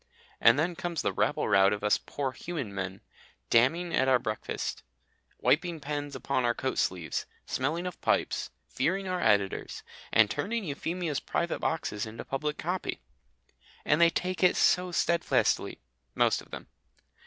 And then comes the rabble rout of us poor human men, damning at our breakfasts, wiping pens upon our coat sleeves, smelling of pipes, fearing our editors, and turning Euphemia's private boxes into public copy. And they take it so steadfastly most of them.